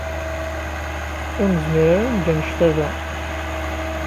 Ur nezmir ara ad neǧǧ anect-a da.